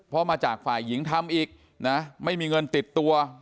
เพราะมาจากฝ่ายหญิงทำอีกนะไม่มีเงินติดตัว